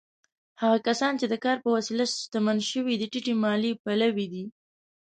هغه کسان چې د کار په وسیله شتمن شوي، د ټیټې مالیې پلوي دي.